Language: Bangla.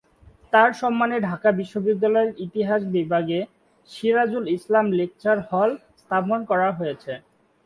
তার সম্মানে ঢাকা বিশ্ববিদ্যালয়ের ইতিহাস বিভাগে ‘সিরাজুল ইসলাম লেকচার হল’ স্থাপন করা হয়েছে।